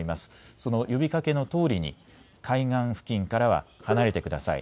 その呼びかけのとおりに海岸付近からは離れてください。